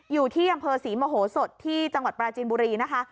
อยู่ที่อำเภอศรีมโหสดที่จังหวัดปราจีนบุรีนะคะ